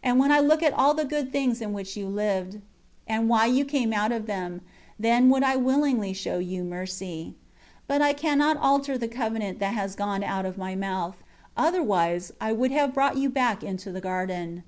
13 And when I look at all the good things in which you lived, and why you came out of them, then would I willingly show you mercy. 14 But I cannot alter the covenant that has gone out of My mouth; otherwise I would have brought you back into the garden.